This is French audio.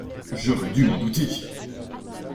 J’aurais dû m’en douter.